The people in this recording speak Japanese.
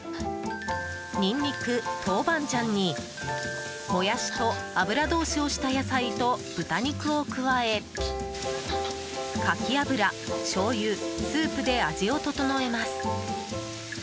ニンニク、豆板醤にモヤシと油通しをした野菜と豚肉を加えかき油、しょうゆスープで味を調えます。